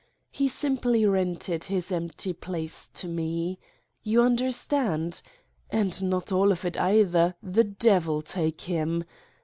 He simply rented his empty place to me. You understand? And not all of it either, the devil take him!